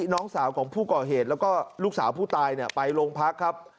น้องสาวของผู้ก่อเหตุแล้วก็ลูกสาวผู้ตายไปโรงพักครับ